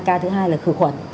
ca thứ hai là khử khuẩn